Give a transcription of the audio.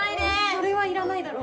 それはいらないだろ。